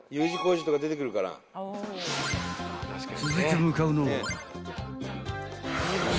［続いて向かうのは］